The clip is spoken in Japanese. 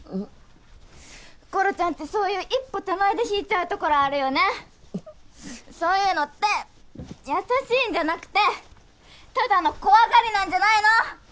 ころちゃんってそういう一歩手前で引いちゃうところあるよねそういうのって優しいんじゃなくてただの怖がりなんじゃないの？